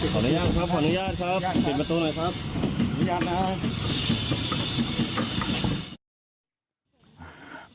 ขออนุญาตครับขออนุญาตครับปิดประตูหน่อยครับ